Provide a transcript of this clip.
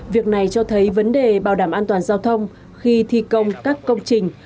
việc này cho thấy vấn đề bảo đảm an toàn giao thông khi thi công các công trình